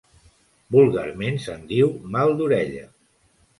Vulgarment se'n diu mal d'orella.